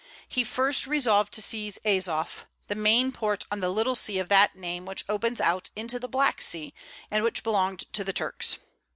He first resolved to seize Azof, the main port on the little sea of that name which opens out into the Black Sea, and which belonged to the Turks.